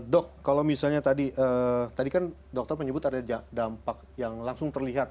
dok kalau misalnya tadi kan dokter menyebut ada dampak yang langsung terlihat